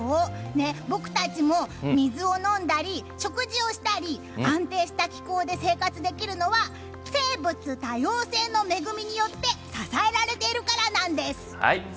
僕たちも水を飲んだり食事をしたり安定した気候で生活できるのは生物多様性の恵みによって支えられているからなんです！